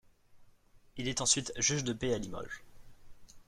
Il est ensuite juge de paix à Limoges.